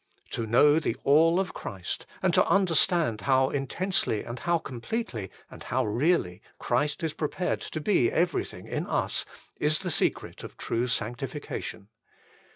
To know the All of Christ, and to under stand how intensely and how completely and how really Christ is prepared to be everything in us, is the secret of true sanctification.